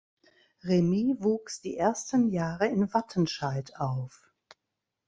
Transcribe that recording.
Remy wuchs die ersten Jahre in Wattenscheid auf.